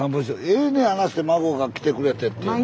ええねあないして孫が来てくれてっていうのは。